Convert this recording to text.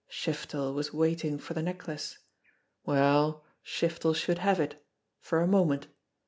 Shiftel was waiting for the necklace! Well, Shiftel should have it for a moment.